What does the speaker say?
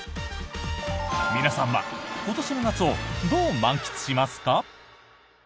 皆さんは今年の夏をどう満喫しますか？